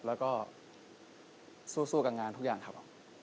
แล้วก็สู้กับงานทุกอย่างครับผม